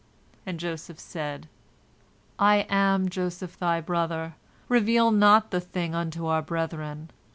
And Joseph said: "I am Joseph thy brother! Reveal not the thing unto our brethren.